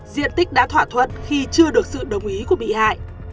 diện tích đã thỏa thuận khi chưa được sự đồng ý của bị hại